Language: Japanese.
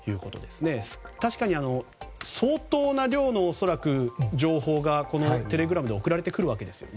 確かに、恐らく相当な量の情報がテレグラムで送られてくるわけですよね。